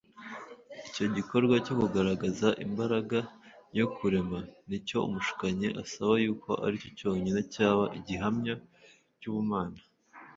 ;”.” Icyo gikorwa cyo kugaragaza imbaraga yo kurema, ni cyo umushukanyi asaba, yuko aricyo cyonyine cyaba igihamya cy’ubumana